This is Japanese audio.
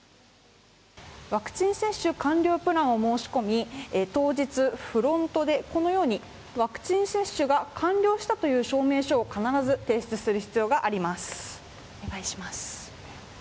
ワクチン接種完了プランを申し込み当日、フロントでこのようにワクチン接種が完了したという証明書を必ず提出する必要があります。